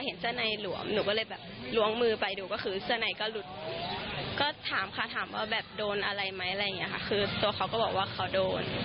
เห็นเสื้อในหลวมหนูก็เลยแบบล้วงมือไปดูก็คือเสื้อในก็หลุดก็ถามค่ะถามว่าแบบโดนอะไรไหมอะไรอย่างนี้ค่ะคือตัวเขาก็บอกว่าเขาโดน